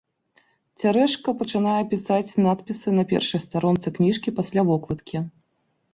Цярэшка пачынае пісаць надпісы на першай старонцы кніжкі пасля вокладкі.